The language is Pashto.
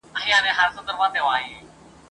ته تر څه تورو تیارو پوري یې تللی ..